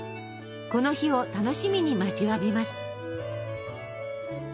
この日を楽しみに待ちわびます。